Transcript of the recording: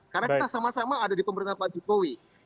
karena kita sama sama ada di pemberantasan pak joko widodo